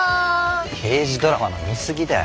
刑事ドラマの見すぎだよ。